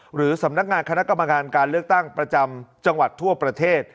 หรือสำนักงานคณะกรรมการการเลือกตั้งประจำจังหวัดทั่วประเทศ